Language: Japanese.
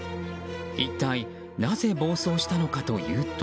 一体なぜ暴走したのかというと。